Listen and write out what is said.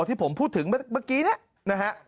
ที่ผมพูดถึงเมื่อกี้นะฮะ